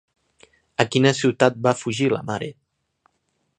A quina ciutat va fugir la mare?